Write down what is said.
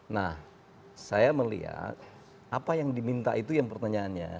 nah saya melihat apa yang diminta itu yang pertanyaannya